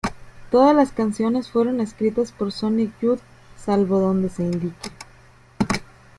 Todas las canciones fueron escritas por Sonic Youth, salvo donde se indique.